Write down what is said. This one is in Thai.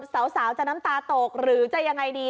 สาวจะน้ำตาตกหรือจะยังไงดี